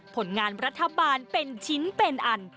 ผลงานรัฐบาลเป็นชิ้นเป็นอัน